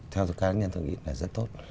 theo cá nhân tôi nghĩ là rất tốt